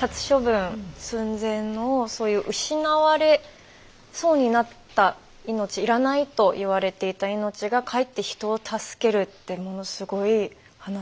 殺処分寸前のそういう失われそうになった命要らないと言われていた命がかえって人を助けるってものすごい話。